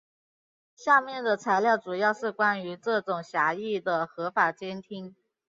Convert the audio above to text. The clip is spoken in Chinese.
下面的材料主要是关于这种狭义的合法监听。